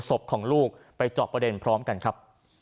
ศพของลูกไปเจาะประเด็นพร้อมกันครับ